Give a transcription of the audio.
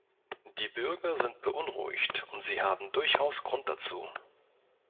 Die Bürger sind beunruhigt und sie haben durchaus Grund dazu.